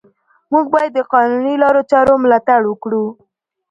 موږ باید د قانوني لارو چارو ملاتړ وکړو